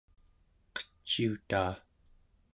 qeciutaa